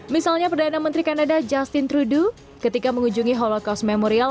misalnya perdana menteri kanada justin trudeau ketika mengunjungi holocaust memorial